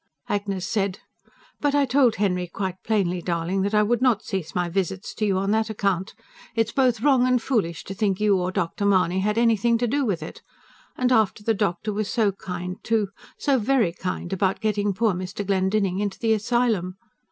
Agnes said: "But I told Henry quite plainly, darling, that I would not cease my visits to you on that account. It is both wrong and foolish to think you or Dr. Mahony had anything to do with it and after the doctor was so kind, too, so VERY kind, about getting poor Mr. Glendinning into the asylum.